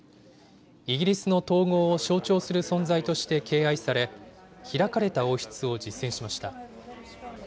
イギリスの統合を象徴する存在として敬愛され、開かれた王室を実践しました。